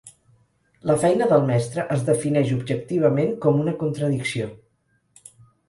La feina del mestre es defineix objectivament com una contradicció.